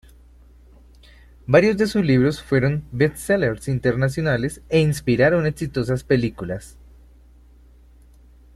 Varios de sus libros fueron "bestsellers" internacionales e inspiraron exitosas películas.